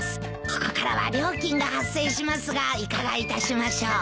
ここからは料金が発生しますがいかがいたしましょう？